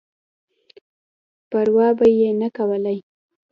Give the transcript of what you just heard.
پر وا به یې نه کولای.